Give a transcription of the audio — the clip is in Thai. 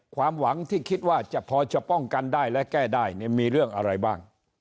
ความหวังที่คิดว่าจะพอจะป้องกันได้และแก้ได้มีเรื่องอะไรบ้าง